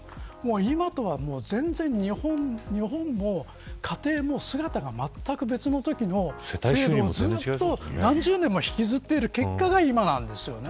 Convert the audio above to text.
今とは全然日本も家庭も姿がまったく別のときのそれを何十年も引きずっている結果が今なんですよね。